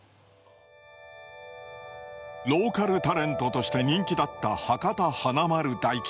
ローカルタレントとして人気だった博多華丸・大吉。